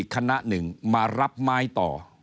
คณะหนึ่งมารับไม้ต่อ